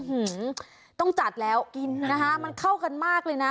หือต้องจัดแล้วกินนะคะมันเข้ากันมากเลยนะ